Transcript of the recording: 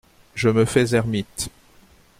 Je me fais ermite.